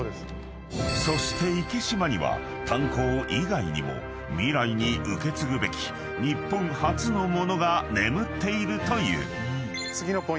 ［そして池島には炭鉱以外にも未来に受け継ぐべき日本初のものが眠っているという］